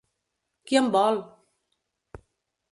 Qui em vol?